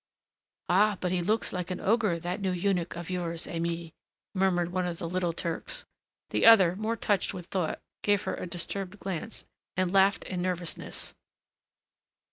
"Ah, but he looks like an ogre, that new eunuch of yours, Aimée," murmured one of the little Turks. The other, more touched with thought, gave her a disturbed glance, and laughed in nervousness.